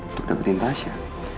untuk dapetin tasya